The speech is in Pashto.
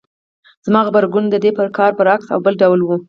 زما غبرګون د دې کار برعکس او بل ډول و.